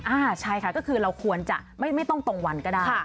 อ่าใช่ค่ะก็คือเราควรจะไม่ต้องตรงวันก็ได้